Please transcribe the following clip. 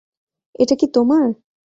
এটা কি তোমার?